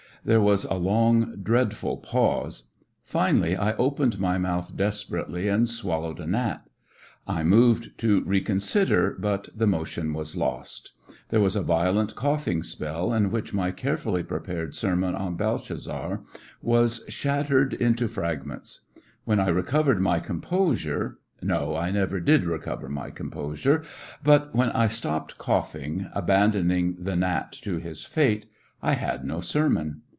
There was a long, dreadful pause. Finally I opened my mouth desper ately, and swallowed a gnat I I moved to re consider, but the motion was lost. There was a violent coughing spell, in which my care fully prepared sermon on Belshazzar was shat 7 Recollections of a tered into fragments. When I recovered my composure— no, I never did recover my com posure, but when I stopped coughing, aban doning the gnat to his fate, I had no sermon.